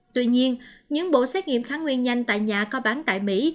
tuy nhiên những bộ xét nghiệm kháng nguyên nhanh tại nhà có bán tại mỹ